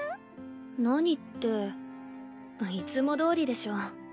何っていつもどおりでしょ。